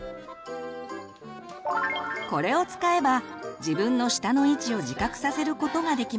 これを使えば自分の舌の位置を自覚させることができます。